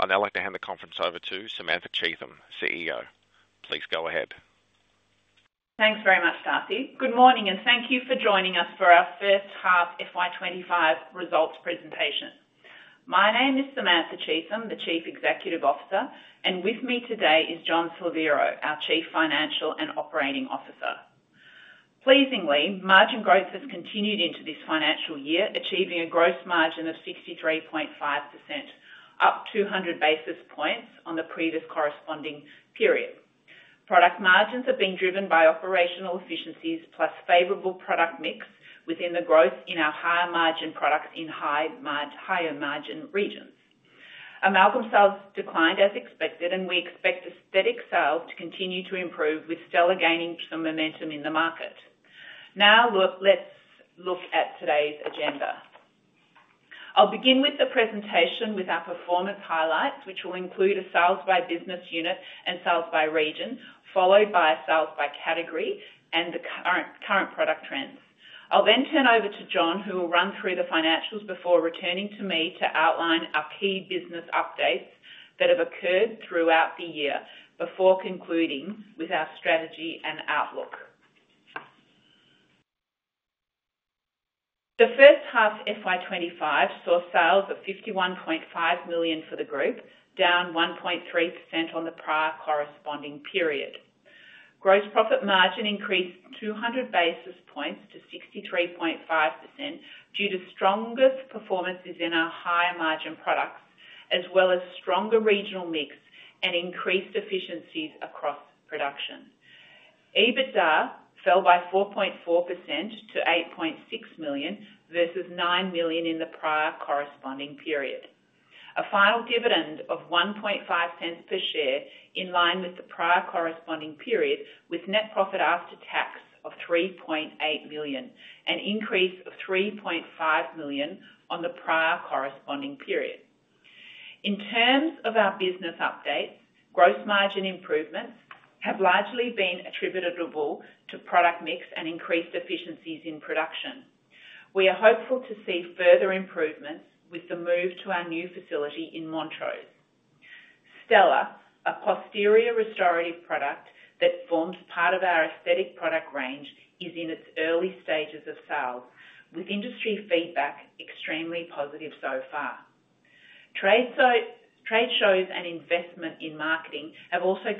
I'd now like to hand the conference over to Samantha Cheetham, CEO. Please go ahead. Thanks very much, Darcy. Good morning, and thank you for joining us for our first half FY 2025 results presentation. My name is Samantha Cheetham, the Chief Executive Officer, and with me today is John Slaviero, our Chief Financial and Operating Officer. Pleasingly, margin growth has continued into this financial year, achieving a gross margin of 63.5%, up 200 basis points on the previous corresponding period. Product margins have been driven by operational efficiencies plus favorable product mix within the growth in our higher margin products in higher margin regions. Our amalgam sales declined as expected, and we expect aesthetic sales to continue to improve, with Stela gaining some momentum in the market. Now, let's look at today's agenda. I'll begin the presentation with our performance highlights, which will include a sales by business unit and sales by region, followed by a sales by category and the current product trends. I'll then turn over to John, who will run through the financials before returning to me to outline our key business updates that have occurred throughout the year, before concluding with our strategy and outlook. The first half FY 2025 saw sales of 51.5 million for the group, down 1.3% on the prior corresponding period. Gross profit margin increased 200 basis points to 63.5% due to stronger performances in our higher margin products, as well as stronger regional mix and increased efficiencies across production. EBITDA fell by 4.4% to 8.6 million versus 9 million in the prior corresponding period. A final dividend of 0.015 per share, in line with the prior corresponding period, with net profit after tax of 3.8 million, an increase of 3.5 million on the prior corresponding period. In terms of our business updates, gross margin improvements have largely been attributable to product mix and increased efficiencies in production. We are hopeful to see further improvements with the move to our new facility in Montrose. Stela, a posterior restorative product that forms part of our aesthetic product range, is in its early stages of sales, with industry feedback extremely positive so far. Trade shows and investment in marketing have also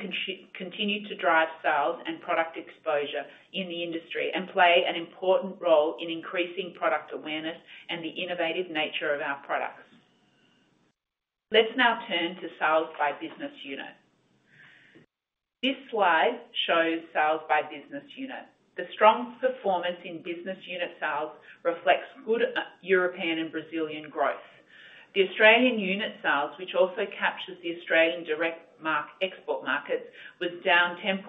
continued to drive sales and product exposure in the industry and play an important role in increasing product awareness and the innovative nature of our products. Let's now turn to sales by business unit. This slide shows sales by business unit. The strong performance in business unit sales reflects good European and Brazilian growth. The Australian unit sales, which also captures the Australian direct export markets, was down 10.9%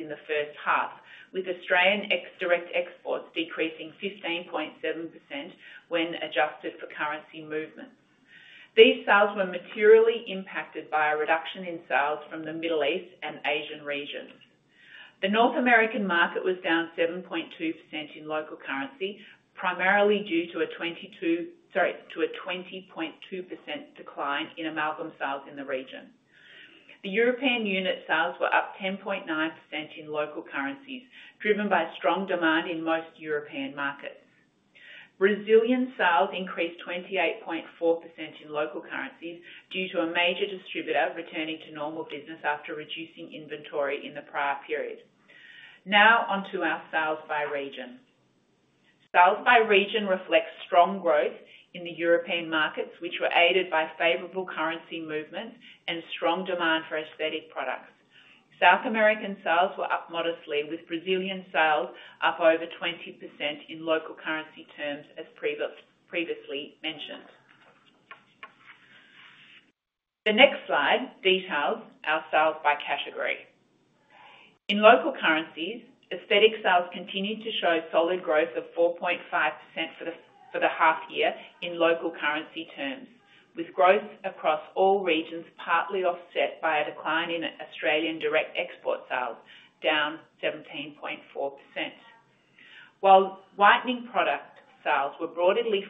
in the first half, with Australian ex direct exports decreasing 15.7% when adjusted for currency movements. These sales were materially impacted by a reduction in sales from the Middle East and Asian region. The North American market was down 7.2% in local currency, primarily due to a 20.2% decline in amalgam sales in the region. The European unit sales were up 10.9% in local currencies, driven by strong demand in most European markets. Brazilian sales increased 28.4% in local currencies due to a major distributor returning to normal business after reducing inventory in the prior period. Now onto our sales by region. Sales by region reflects strong growth in the European markets, which were aided by favorable currency movements and strong demand for aesthetic products. South American sales were up modestly, with Brazilian sales up over 20% in local currency terms, as previously mentioned. The next slide details our sales by category. In local currencies, aesthetic sales continued to show solid growth of 4.5% for the half year in local currency terms, with growth across all regions partly offset by a decline in Australian direct export sales, down 17.4%. While whitening product sales were broadly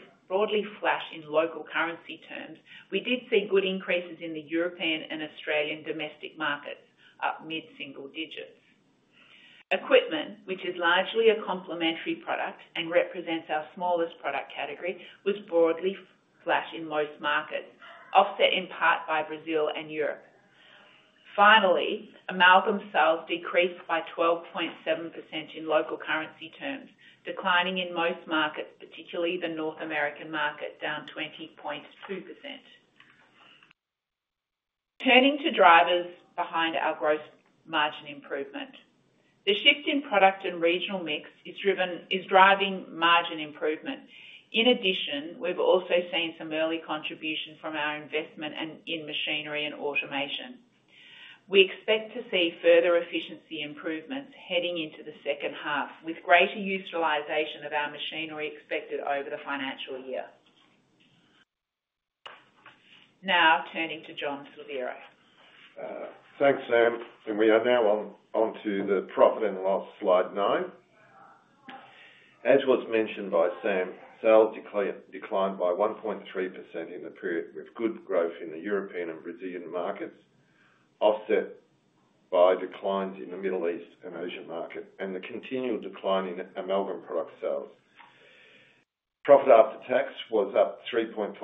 flat in local currency terms, we did see good increases in the European and Australian domestic markets, up mid-single digits. Equipment, which is largely a complementary product and represents our smallest product category, was broadly flat in most markets, offset in part by Brazil and Europe. Finally, amalgam sales decreased by 12.7% in local currency terms, declining in most markets, particularly the North American market, down 20.2%. Turning to drivers behind our gross margin improvement, the shift in product and regional mix is driving margin improvement. In addition, we've also seen some early contribution from our investment in machinery and automation. We expect to see further efficiency improvements heading into the second half, with greater utilization of our machinery expected over the financial year. Now turning to John Slaviero. Thanks, Sam. We are now onto the profit and loss slide now. As was mentioned by Sam, sales declined by 1.3% in the period, with good growth in the European and Brazilian markets, offset by declines in the Middle East and Asian market, and the continual decline in amalgam product sales. Profit after tax was up 3.5%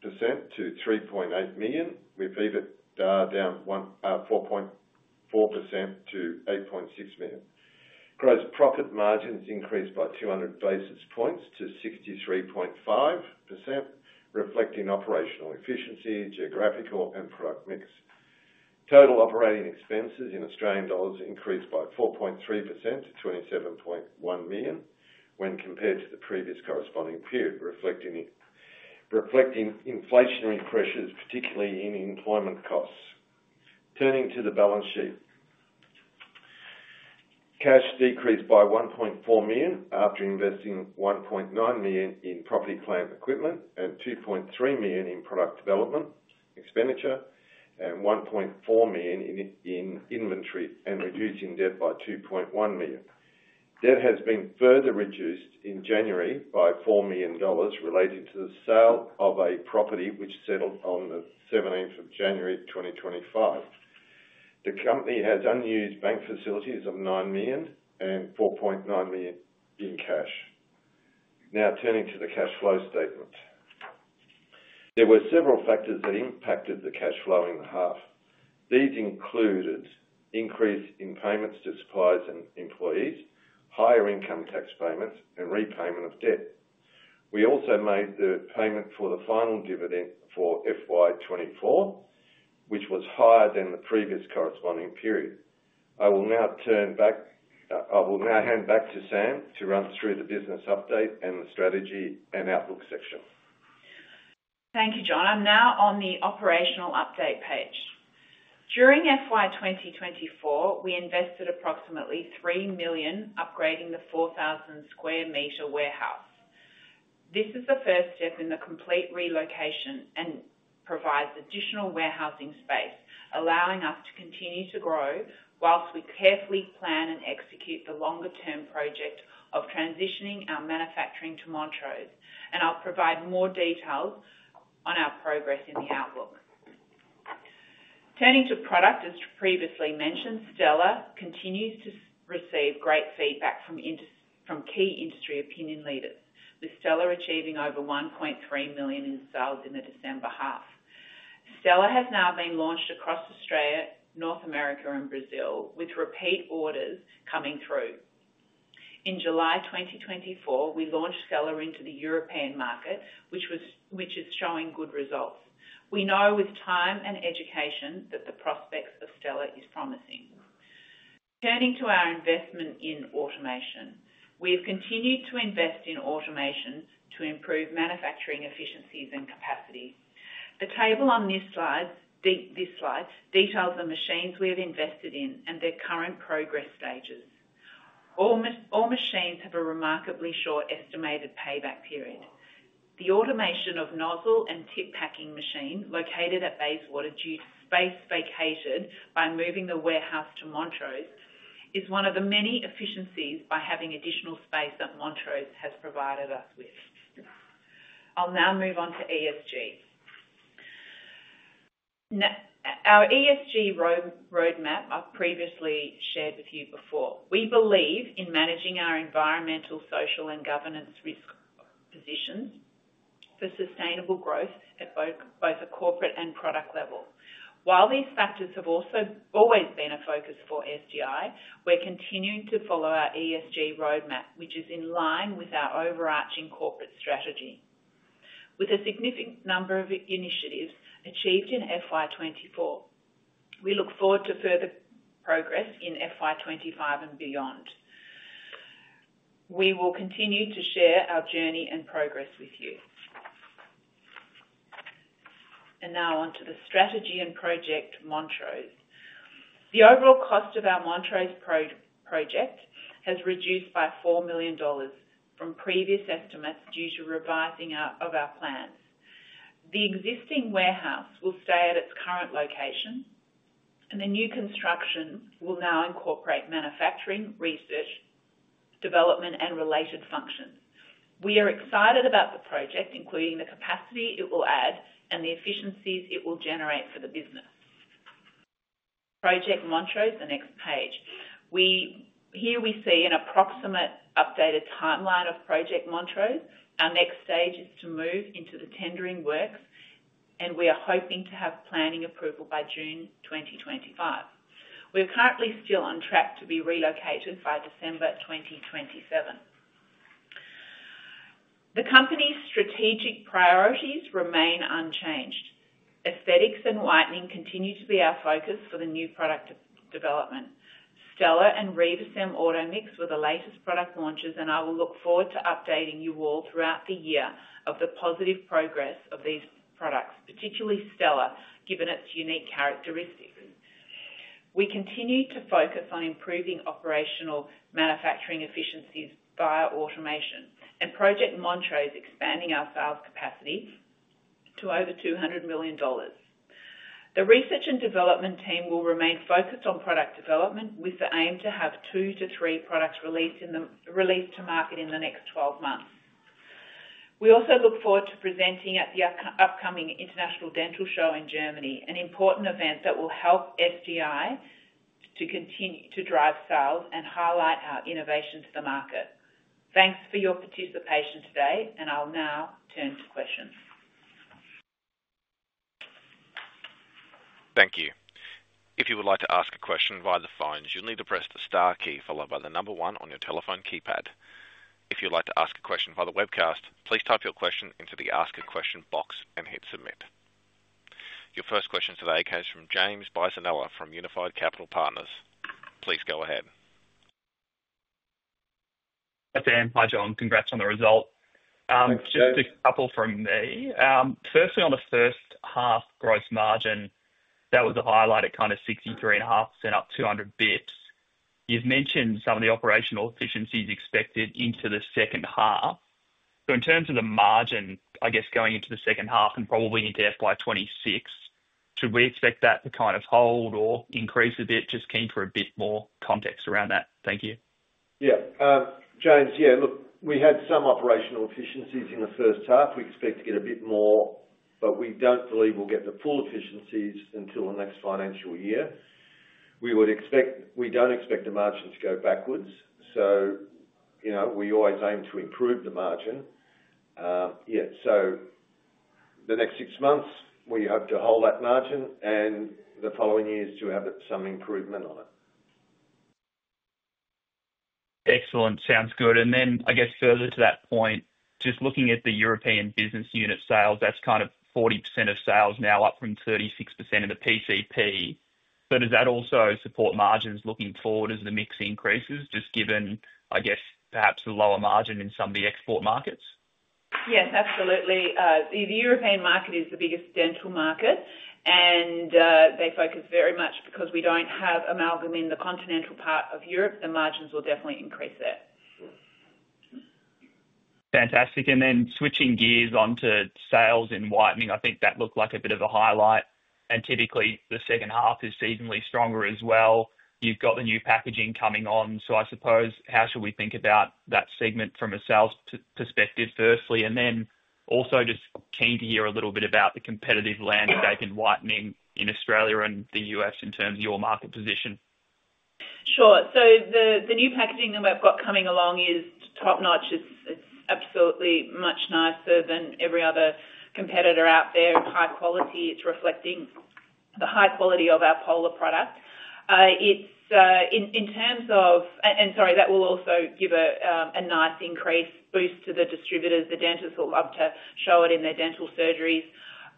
to 3.8 million, with EBITDA down 4.4% to 8.6 million. Gross profit margins increased by 200 basis points to 63.5%, reflecting operational efficiency, geographical, and product mix. Total operating expenses in Australian dollars increased by 4.3% to 27.1 million when compared to the previous corresponding period, reflecting inflationary pressures, particularly in employment costs. Turning to the balance sheet, cash decreased by 1.4 million after investing 1.9 million in property, plant equipment and 2.3 million in product development expenditure and 1.4 million in inventory and reducing debt by 2.1 million. Debt has been further reduced in January by AUD 4 million related to the sale of a property, which settled on the 17th of January 2025. The company has unused bank facilities of 9 million and 4.9 million in cash. Now, turning to the cash flow statement. There were several factors that impacted the cash flow in the half. These included increase in payments to suppliers and employees, higher income tax payments, and repayment of debt. We also made the payment for the final dividend for FY 2024, which was higher than the previous corresponding period. I will now hand back to Sam to run through the business update and the strategy and outlook section. Thank you, John. I'm now on the operational update page. During FY 2024, we invested approximately 3 million, upgrading the 4,000 sq m warehouse. This is the first step in the complete relocation and provides additional warehousing space, allowing us to continue to grow whilst we carefully plan and execute the longer-term project of transitioning our manufacturing to Montrose. I will provide more details on our progress in the outlook. Turning to product, as previously mentioned, Stela continues to receive great feedback from key industry opinion leaders, with Stela achieving over 1.3 million in sales in the December half. Stela has now been launched across Australia, North America, and Brazil, with repeat orders coming through. In July 2024, we launched Stela into the European market, which is showing good results. We know with time and education that the prospects of Stela are promising. Turning to our investment in automation, we have continued to invest in automation to improve manufacturing efficiencies and capacity. The table on this slide details the machines we have invested in and their current progress stages. All machines have a remarkably short estimated payback period. The automation of Nozzle & Tip packing machine located at Bayswater due to space vacated by moving the warehouse to Montrose is one of the many efficiencies by having additional space that Montrose has provided us with. I'll now move on to ESG. Our ESG roadmap I've previously shared with you before. We believe in managing our environmental, social, and governance risk positions for sustainable growth at both a corporate and product level. While these factors have always been a focus for SDI, we're continuing to follow our ESG roadmap, which is in line with our overarching corporate strategy, with a significant number of initiatives achieved in FY 2024. We look forward to further progress in FY 2025 and beyond. We will continue to share our journey and progress with you. Now onto the strategy and project Montrose. The overall cost of our Montrose project has reduced by 4 million dollars from previous estimates due to revising of our plans. The existing warehouse will stay at its current location, and the new construction will now incorporate manufacturing, research, development, and related functions. We are excited about the project, including the capacity it will add and the efficiencies it will generate for the business. Project Montrose, the next page. Here we see an approximate updated timeline of Project Montrose. Our next stage is to move into the tendering works, and we are hoping to have planning approval by June 2025. We are currently still on track to be relocated by December 2027. The company's strategic priorities remain unchanged. Aesthetics and whitening continue to be our focus for the new product development. Stela and Riva Cem Automix were the latest product launches, and I will look forward to updating you all throughout the year of the positive progress of these products, particularly Stela, given its unique characteristics. We continue to focus on improving operational manufacturing efficiencies via automation and Project Montrose, expanding our sales capacity to over 200 million dollars. The research and development team will remain focused on product development with the aim to have two to three products released to market in the next 12 months. We also look forward to presenting at the upcoming International Dental Show in Germany, an important event that will help SDI to drive sales and highlight our innovation to the market. Thanks for your participation today, and I'll now turn to questions. Thank you. If you would like to ask a question via the phone, you'll need to press the star key followed by the number one on your telephone keypad. If you'd like to ask a question via the webcast, please type your question into the ask a question box and hit submit. Your first question today comes from James Bisinella from Unified Capital Partners. Please go ahead. Thanks, Sam. Pleasure. Congrats on the result. Just a couple from me. Firstly, on the first half gross margin, that was a highlight at kind of 63.5% up 200 basis points. You've mentioned some of the operational efficiencies expected into the second half. In terms of the margin, I guess going into the second half and probably into FY 2026, should we expect that to kind of hold or increase a bit? Just keen for a bit more context around that. Thank you. Yeah. James, yeah, look, we had some operational efficiencies in the first half. We expect to get a bit more, but we do not believe we will get the full efficiencies until the next financial year. We do not expect the margin to go backwards. We always aim to improve the margin. Yeah. The next six months, we hope to hold that margin and the following years to have some improvement on it. Excellent. Sounds good. Further to that point, just looking at the European business unit sales, that's kind of 40% of sales now, up from 36% in the PCP. Does that also support margins looking forward as the mix increases, just given, I guess, perhaps a lower margin in some of the export markets? Yes, absolutely. The European market is the biggest dental market, and they focus very much because we do not have amalgam in the continental part of Europe. The margins will definitely increase there. Fantastic. Switching gears onto sales in whitening, I think that looked like a bit of a highlight. Typically, the second half is seasonally stronger as well. You have the new packaging coming on. I suppose, how should we think about that segment from a sales perspective, firstly? I am also just keen to hear a little bit about the competitive landscape in whitening in Australia and the US in terms of your market position. Sure. The new packaging that we've got coming along is top-notch. It's absolutely much nicer than every other competitor out there. High quality. It's reflecting the high quality of our Pola product. In terms of—sorry, that will also give a nice increase boost to the distributors. The dentists will love to show it in their dental surgeries,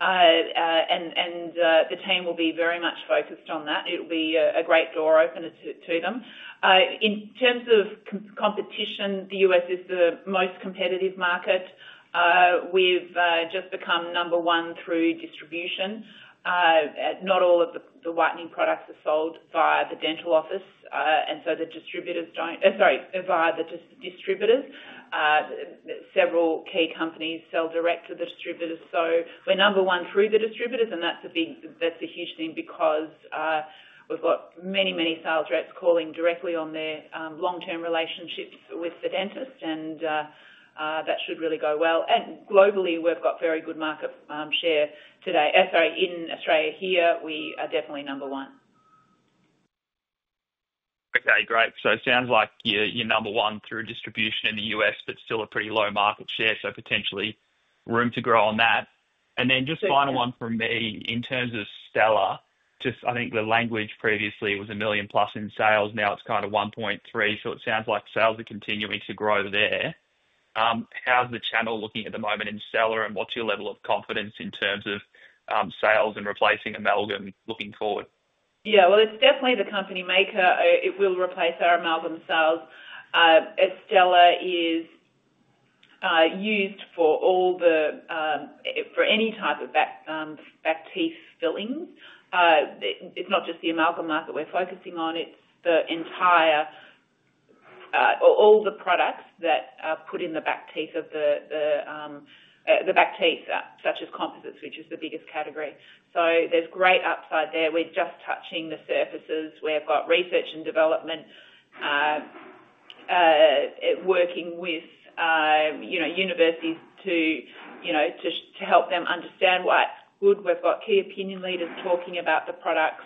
and the team will be very much focused on that. It will be a great door opener to them. In terms of competition, the US is the most competitive market. We've just become number one through distribution. Not all of the whitening products are sold via the dental office, and so the distributors don't—sorry, via the distributors. Several key companies sell direct to the distributors. We're number one through the distributors, and that's a huge thing because we've got many, many sales reps calling directly on their long-term relationships with the dentist, and that should really go well. Globally, we've got very good market share today. Sorry, in Australia here, we are definitely number one. Okay. Great. It sounds like you're number one through distribution in the US, but still a pretty low market share. Potentially room to grow on that. Just final one from me in terms of Stela. I think the language previously was a million plus in sales. Now it's kind of 1.3 million. It sounds like sales are continuing to grow there. How's the channel looking at the moment in Stela, and what's your level of confidence in terms of sales and replacing amalgam, looking forward? Yeah. It is definitely the company maker. It will replace our amalgam sales. Stela is used for any type of back teeth fillings. It is not just the amalgam market we are focusing on. It is all the products that are put in the back teeth, such as composites, which is the biggest category. There is great upside there. We are just touching the surfaces. We have got research and development working with universities to help them understand why it is good. We have got key opinion leaders talking about the products.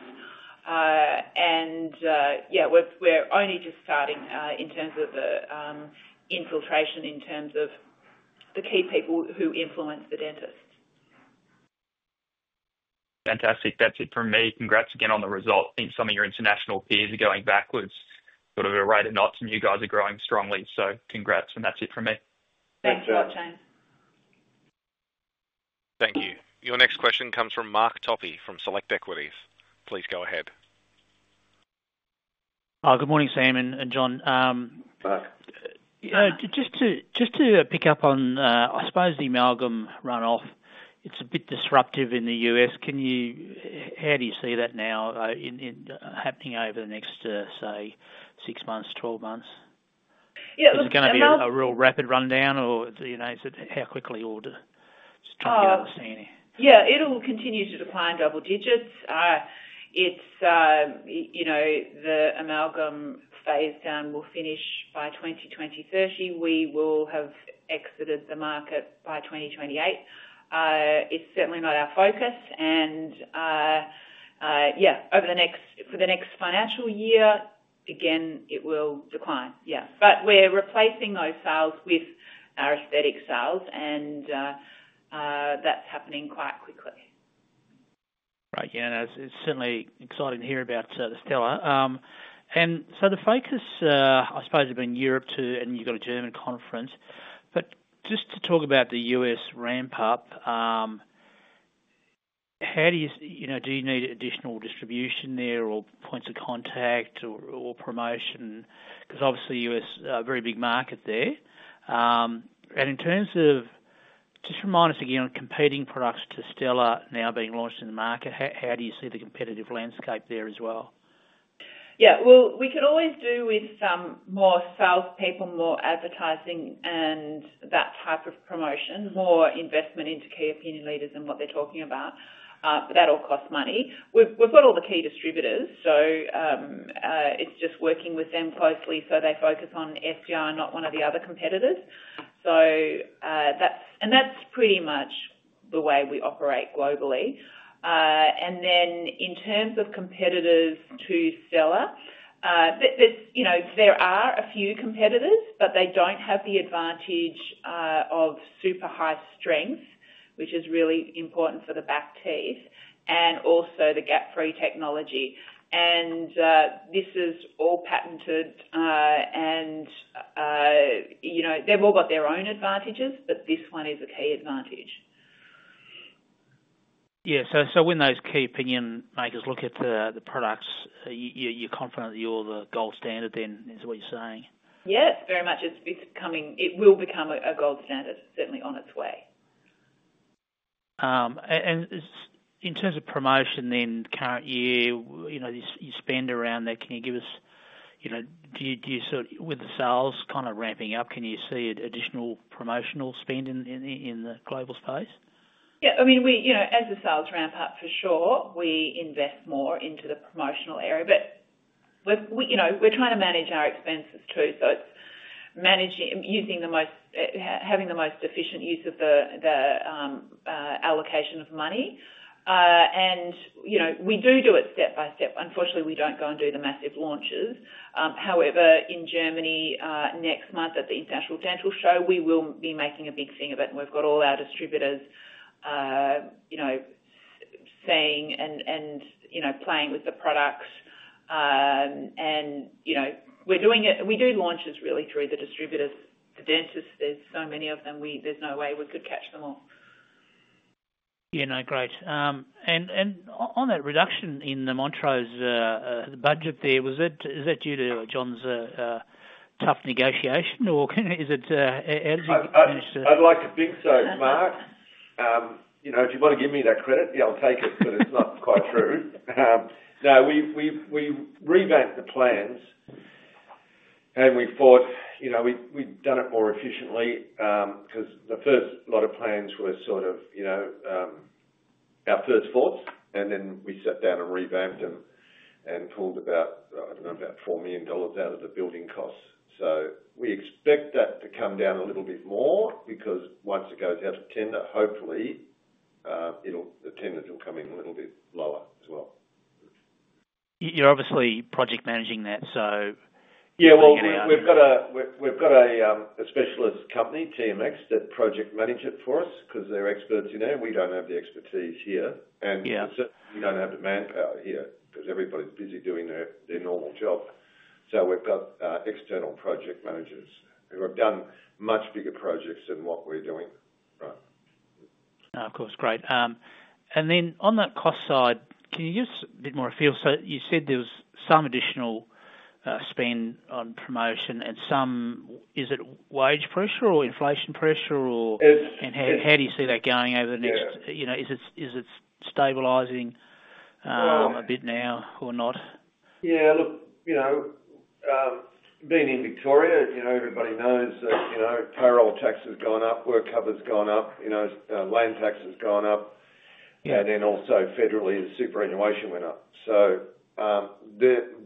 Yeah, we are only just starting in terms of the infiltration, in terms of the key people who influence the dentist. Fantastic. That's it from me. Congrats again on the result. I think some of your international peers are going backwards, sort of a rate of knots, and you guys are growing strongly. Congrats. That's it from me. Thank you a lot, James. Thank you. Your next question comes from Mark Topy from Select Equities. Please go ahead. Good morning, Sam and John. Mark. Just to pick up on, I suppose, the amalgam runoff, it's a bit disruptive in the U.S. How do you see that now happening over the next, say, six months, twelve months? Yeah. Is it going to be a real rapid rundown, or is it how quickly we'll just try to understand? Yeah. It'll continue to decline double digits. The amalgam phase down will finish by 2020-2030. We will have exited the market by 2028. It's certainly not our focus. Yeah, for the next financial year, again, it will decline. Yeah. We're replacing those sales with our aesthetic sales, and that's happening quite quickly. Right. Yeah. It is certainly exciting to hear about Stela. The focus, I suppose, has been Europe too, and you have got a German conference. Just to talk about the US ramp-up, do you need additional distribution there or points of contact or promotion? Obviously, US is a very big market there. In terms of just remind us again on competing products to Stela now being launched in the market, how do you see the competitive landscape there as well? Yeah. We could always do with more salespeople, more advertising, and that type of promotion, more investment into key opinion leaders and what they're talking about. That all costs money. We've got all the key distributors, so it's just working with them closely so they focus on SDI and not one of the other competitors. That's pretty much the way we operate globally. In terms of competitors to Stela, there are a few competitors, but they do not have the advantage of super high strength, which is really important for the back teeth, and also the gap-free technology. This is all patented, and they've all got their own advantages, but this one is a key advantage. Yeah. So when those key opinion makers look at the products, you're confident that you're the gold standard then, is what you're saying? Yes, very much. It will become a gold standard, certainly on its way. In terms of promotion, then, current year, you spend around there. Can you give us—with the sales kind of ramping up, can you see additional promotional spend in the global space? Yeah. I mean, as the sales ramp up, for sure, we invest more into the promotional area. We are trying to manage our expenses too. It is using the most—having the most efficient use of the allocation of money. We do do it step by step. Unfortunately, we do not go and do the massive launches. However, in Germany next month at the International Dental Show, we will be making a big thing of it, and we have all our distributors saying and playing with the products. We are doing it. We do launches really through the distributors. The dentists, there are so many of them. There is no way we could catch them all. Yeah. No. Great. On that reduction in the Montrose budget there, is that due to John's tough negotiation, or is it? I'd like to think so, Mark. If you want to give me that credit, yeah, I'll take it, but it's not quite true. No, we revamped the plans, and we thought we'd done it more efficiently because the first lot of plans were sort of our first thoughts, and then we sat down and revamped them and pulled about, I don't know, about 4 million dollars out of the building costs. We expect that to come down a little bit more because once it goes out of tender, hopefully, the tenders will come in a little bit lower as well. You're obviously project managing that, so. Yeah. We have a specialist company, TMX, that project manage it for us because they're experts in it. We don't have the expertise here. We certainly don't have the manpower here because everybody's busy doing their normal job. We have external project managers who have done much bigger projects than what we're doing. Right. Of course. Great. Can you give us a bit more of a feel? You said there was some additional spend on promotion and some—is it wage pressure or inflation pressure, or? How do you see that going over the next—is it stabilizing a bit now or not? Yeah. Look, being in Victoria, everybody knows that payroll tax has gone up, WorkCover has gone up, land tax has gone up, and then also federally, the superannuation went up.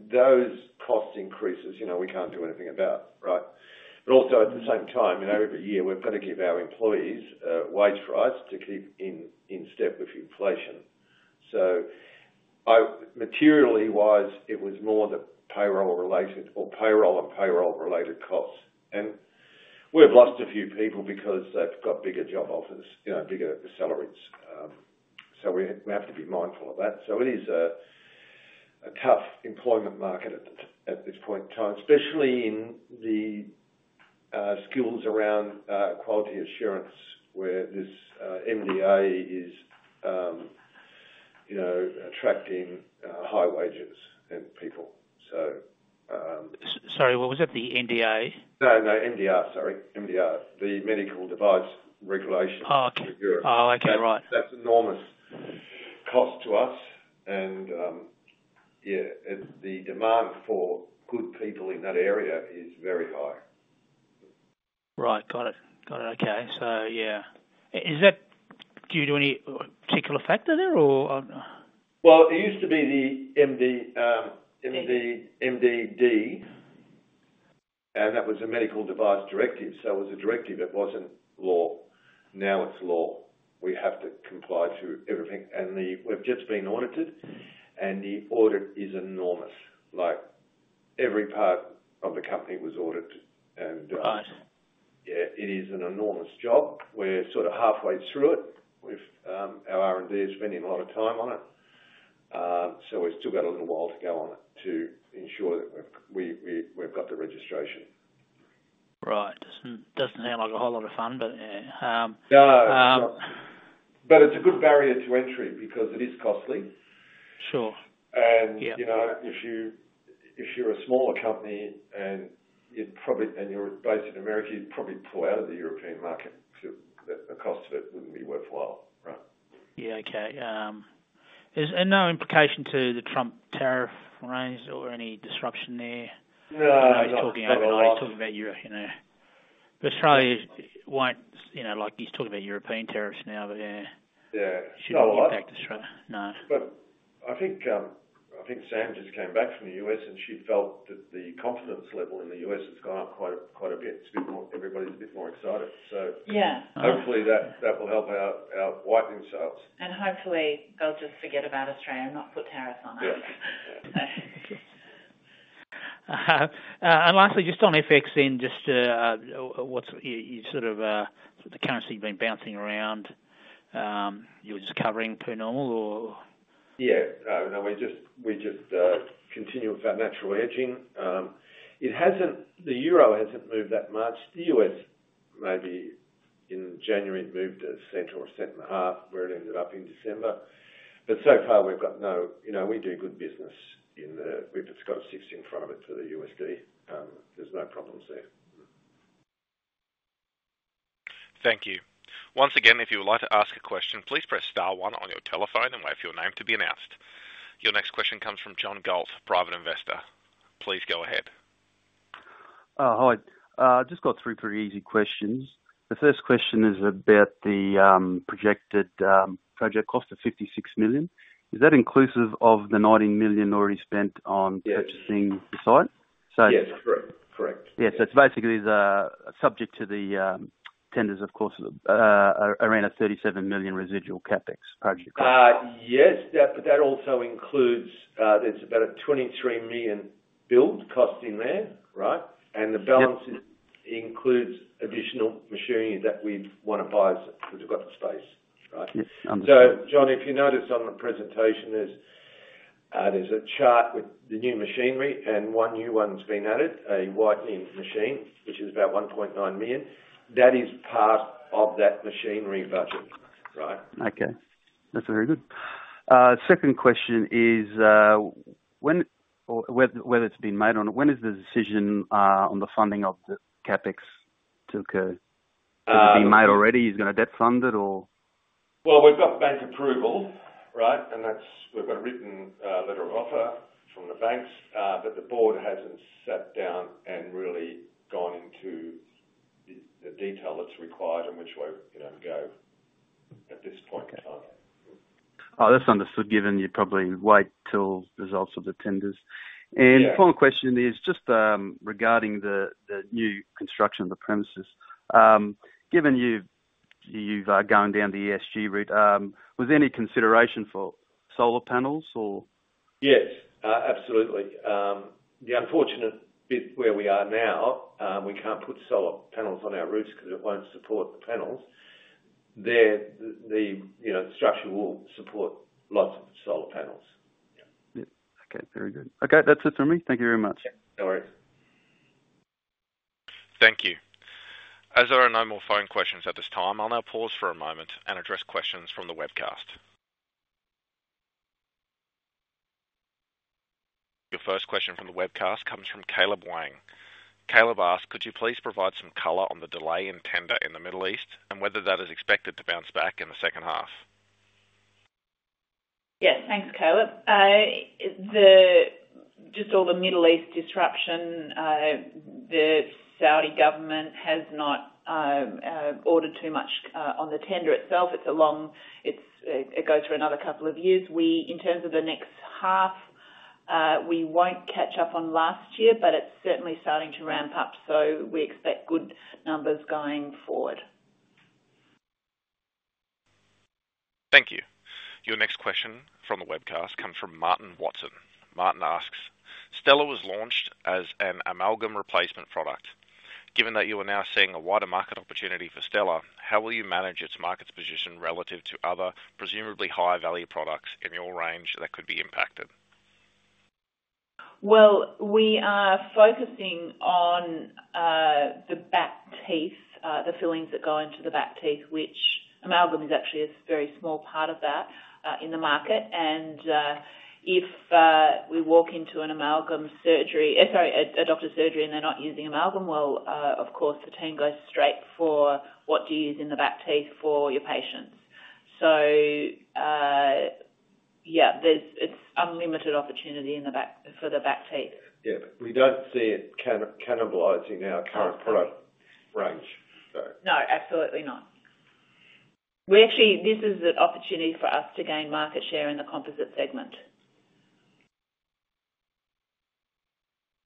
Those cost increases, we can't do anything about. Right? Also, at the same time, every year, we've got to give our employees wage rights to keep in step with inflation. Materially wise, it was more the payroll-related or payroll and payroll related costs. We've lost a few people because they've got bigger job offers, bigger salaries. We have to be mindful of that. It is a tough employment market at this point in time, especially in the skills around quality assurance, where this MDR is attracting high wages and people. Sorry, what was that? The NDA? No, no, MDR. Sorry. MDR. The Medical Device Regulation for Europe. Oh, okay. Right. That's an enormous cost to us. Yeah, the demand for good people in that area is very high. Right. Got it. Got it. Okay. Is that due to any particular factor there, or? It used to be the MDD, and that was a medical device directive. It was a directive. It was not law. Now it is law. We have to comply to everything. We have just been audited, and the audit is enormous. Every part of the company was audited. Yeah, it is an enormous job. We are sort of halfway through it. Our R&D is spending a lot of time on it. We have still got a little while to go on it to ensure that we have got the registration. Right. Doesn't sound like a whole lot of fun, but. No. It is a good barrier to entry because it is costly. If you're a smaller company and you're based in America, you'd probably pull out of the European market because the cost of it wouldn't be worthwhile, right? Yeah. Okay. And no implication to the Trump tariff range or any disruption there? No. No, he's talking about Europe. He's talking about Europe. Australia won't—he's talking about European tariffs now, but yeah. Yeah. Oh, wow. She'll get back to Australia. No. I think Sam just came back from the U.S., and she felt that the confidence level in the U.S. has gone up quite a bit. Everybody's a bit more excited. Hopefully, that will help our whitening sales. Hopefully, they'll just forget about Australia and not put tariffs on us. Yeah. Lastly, just on FX then, just what's sort of the currency been bouncing around? You were just covering per normal, or? Yeah. We just continue with our natural hedging. The euro hasn't moved that much. The US, maybe in January, it moved a cent or a cent and a half where it ended up in December. So far, we've got no—we do good business in the—it's got a six in front of it for the USD. There's no problems there. Thank you. Once again, if you would like to ask a question, please press star one on your telephone and wait for your name to be announced. Your next question comes from John Galt, private investor. Please go ahead. Hi. I just got through pretty easy questions. The first question is about the projected project cost of 56 million. Is that inclusive of the 19 million already spent on purchasing the site? Yes. Correct. Correct. Yeah. It is basically subject to the tenders, of course, around a 37 million residual CapEx project cost. Yes. That also includes—it is about 23 million build cost in there. Right? The balance includes additional machinery that we want to buy because we have got the space. Right? Yes. Understood. John, if you notice on the presentation, there's a chart with the new machinery, and one new one's been added, a whitening machine, which is about 1.9 million. That is part of that machinery budget. Right? Okay. That's very good. Second question is whether it's been made or not. When is the decision on the funding of the CapEx to occur? Has it been made already? Is it going to get funded, or? We've got bank approval, right? And we've got a written letter of offer from the banks, but the board hasn't sat down and really gone into the detail that's required and which way we're going to go at this point in time. Oh, that's understood. Given you probably wait till results of the tenders. Final question is just regarding the new construction of the premises. Given you've gone down the ESG route, was there any consideration for solar panels, or? Yes. Absolutely. The unfortunate bit where we are now, we can't put solar panels on our roofs because it won't support the panels. The structure will support lots of solar panels. Yeah. Okay. Very good. Okay. That's it from me. Thank you very much. Yeah. No worries. Thank you. As there are no more phone questions at this time, I'll now pause for a moment and address questions from the webcast. Your first question from the webcast comes from Caleb Wang. Caleb asks, could you please provide some color on the delay in tender in the Middle East and whether that is expected to bounce back in the second half? Yes. Thanks, Caleb. Just all the Middle East disruption. The Saudi government has not ordered too much on the tender itself. It goes for another couple of years. In terms of the next half, we will not catch up on last year, but it is certainly starting to ramp up. We expect good numbers going forward. Thank you. Your next question from the webcast comes from Martin Watson. Martin asks, Stela was launched as an amalgam replacement product. Given that you are now seeing a wider market opportunity for Stela, how will you manage its market position relative to other presumably high-value products in your range that could be impacted? We are focusing on the back teeth, the fillings that go into the back teeth, which amalgam is actually a very small part of that in the market. If we walk into an amalgam surgery—sorry, a doctor's surgery—and they are not using amalgam, of course, the team goes straight for, "What do you use in the back teeth for your patients?" Yeah, it is unlimited opportunity for the back teeth. Yeah. We don't see it cannibalizing our current product range. No. Absolutely not. This is an opportunity for us to gain market share in the composite segment.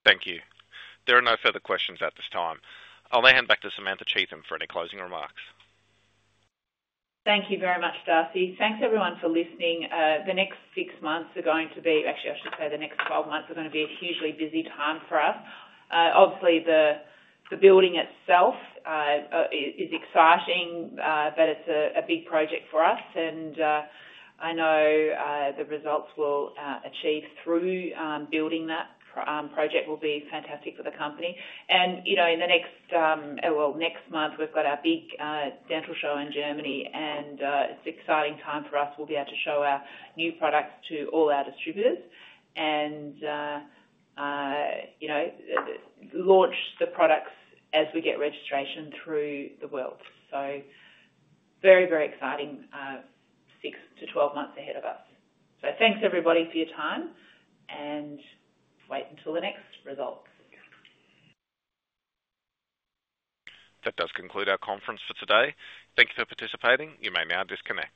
Thank you. There are no further questions at this time. I'll now hand back to Samantha Cheetham for any closing remarks. Thank you very much, Darcy. Thanks, everyone, for listening. The next six months are going to be—actually, I should say the next 12 months are going to be a hugely busy time for us. Obviously, the building itself is exciting, but it's a big project for us. I know the results we'll achieve through building that project will be fantastic for the company. In the next month, we've got our big dental show in Germany, and it's an exciting time for us. We'll be able to show our new products to all our distributors and launch the products as we get registration through the world. Very, very exciting 6-12 months ahead of us. Thanks, everybody, for your time, and wait until the next results. That does conclude our conference for today. Thank you for participating. You may now disconnect.